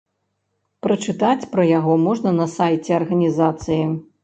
Прачытаць пра яго можна на сайце арганізацыі.